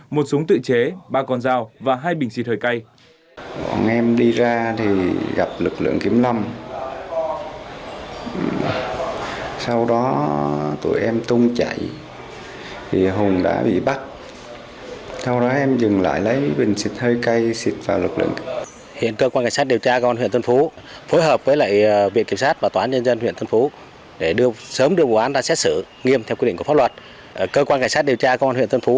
một súng tự chế ba con dao và hai bình xịt hơi cay